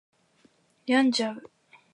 病んじゃう